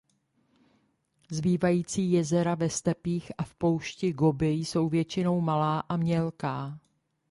Zbývající jezera ve stepích a v poušti Gobi jsou většinou malá a mělká.